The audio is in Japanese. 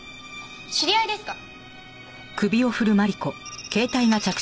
知り合いですか？